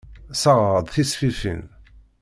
Ssaɣeɣ-d tisfifin.